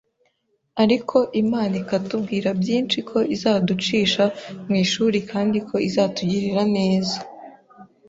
ariko Imana ikatubwira byinshi ko izaducisha mu ishuri kandi ko izatugirira neza